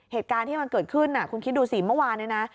เหตุการณ์ที่มันเกิดขึ้นคุณคิดดูสิเมื่อวานเนี่ยนะ